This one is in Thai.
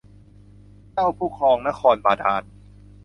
เจ้าผู้ครองนครบาดาล